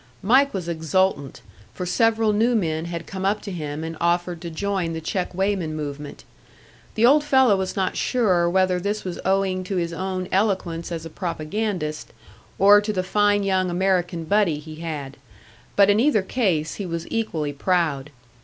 Mike was exultant, for several new men had come up to him and offered to join the check weighman movement. The old fellow was not sure whether this was owing to his own eloquence as a propagandist, or to the fine young American buddy he had; but in either case he was equally proud.